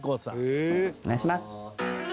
お願いします。